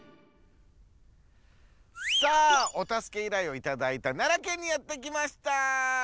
さあおたすけ依頼をいただいた奈良県にやって来ました。